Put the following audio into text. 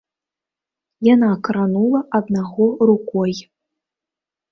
Яна кранула аднаго рукой.